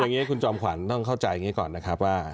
อย่างนี้คุณจอมขวัญต้องเข้าใจอย่างนี้ก่อนนะครับว่า